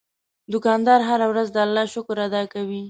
دوکاندار هره ورځ د الله شکر ادا کوي.